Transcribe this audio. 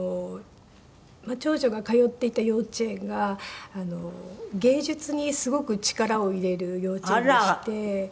長女が通っていた幼稚園が芸術にすごく力を入れる幼稚園でして。